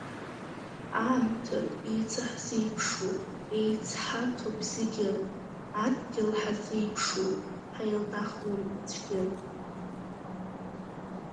Аамҭак еицаҳзеиԥшуп, еицҳаҭоуп зегьы, адгьыл ҳазеиԥшуп, ҳаилнахуам аӡәгьы.